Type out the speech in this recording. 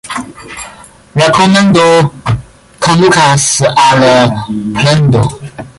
Rekomendo kondukas al plendo.